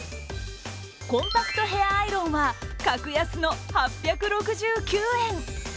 コンパクトヘアアイロンは格安の８６９円。